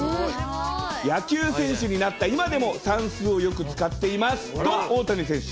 野球選手になった今でも算数をよく使っていますと、大谷選手。